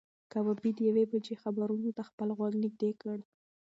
کبابي د یوې بجې خبرونو ته خپل غوږ نږدې کړ.